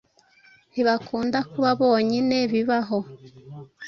ntibakunda kuba bonyine bibaho